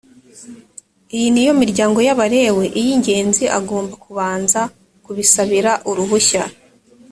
iyi ni yo miryango y abalewi yi ingenzi agomba kubanza kubisabira uruhushya